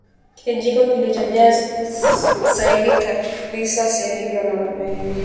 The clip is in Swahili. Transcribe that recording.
Kijiko kilichojaa kabisa siagi gram arobaini